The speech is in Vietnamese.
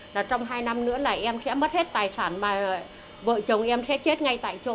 là trong hai năm nữa là em sẽ mất hết tài sản mà vợ chồng em sẽ chết ngay tại chỗ